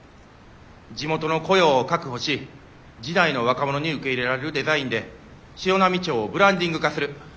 地元の雇用を確保し次代の若者に受け入れられるデザインで潮波町をブランディング化する。